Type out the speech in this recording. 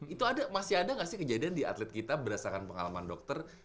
itu masih ada nggak sih kejadian di atlet kita berdasarkan pengalaman dokter